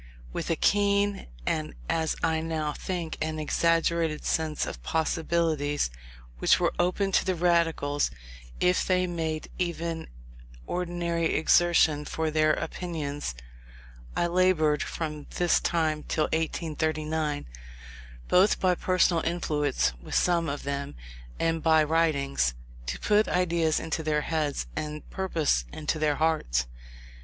With a keen, and as I now think, an exaggerated sense of the possibilities which were open to the Radicals if they made even ordinary exertion for their opinions, I laboured from this time till 1839, both by personal influence with some of them, and by writings, to put ideas into their heads, and purpose into their hearts.